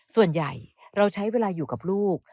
ส่วนใหญ่เราใช้เวลาอยู่กับลูก